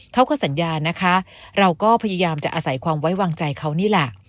เขาก็สัญญานะคะเราก็พยายามจะอาศัยความไว้วางใจเขานี่แหละ